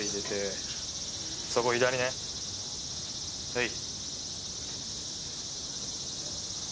はい。